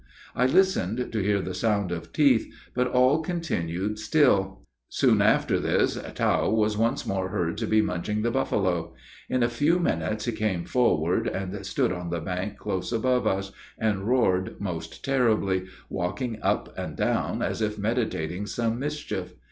I listened to hear the sound of teeth, but all continued still. Soon after this "Tao," was once more heard to be munching the buffalo. In a few minutes he came forward, and stood on the bank close above us, and roared most terribly, walking up and down, as if meditating some mischief.